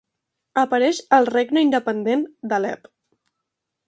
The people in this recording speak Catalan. Apareix el regne independent d'Alep.